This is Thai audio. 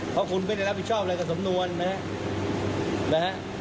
เพราะคุณไม่ได้รับผิดชอบอะไรกับสำนวนนะฮะ